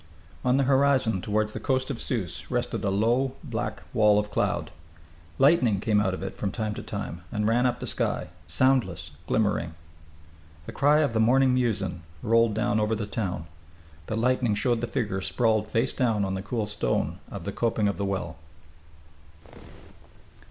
On the horizon toward the coast of Sousse rested a low black wall of cloud. Lightning came out of it from time to time and ran up the sky, soundless, glimmering.... The cry of the morning muezzin rolled down over the town. The lightning showed the figure sprawled face down on the cool stone of the coping of the well....